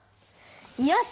よし！